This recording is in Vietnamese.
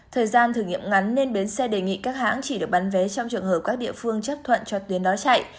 thời gian thử nghiệm ngắn nên bến xe đề nghị các hãng chỉ được bán vé trong trường hợp các địa phương chấp thuận cho tuyến đó chạy